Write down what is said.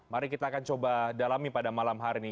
mari kita akan coba dalami pada malam hari ini